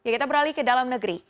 kita beralih ke dalam negeri